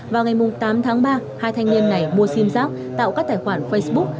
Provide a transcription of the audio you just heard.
vào ngày tám tháng ba hai thanh niên này mua sim giác tạo các tài khoản facebook